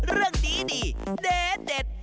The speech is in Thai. เรื่องดีเด็ด